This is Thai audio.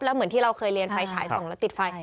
แล้วเหมือนที่เราเคยเรียนไฟฉายส่องแล้วติดไฟ